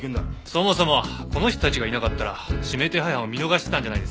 そもそもこの人たちがいなかったら指名手配犯を見逃してたんじゃないですか。